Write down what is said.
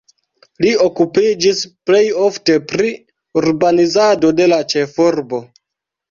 Li okupiĝis plej ofte pri urbanizado de la ĉefurbo.